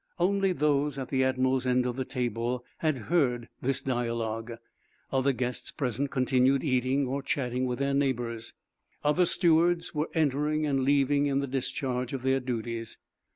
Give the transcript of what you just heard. Only those at the admiral's end of the table had heard this dialogue. Other guests present continued eating, or chatting with their neighbors. Other stewards were entering and leaving in the discharge of their duties.